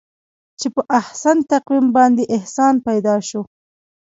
چې په احسن تقویم باندې انسان پیدا شو.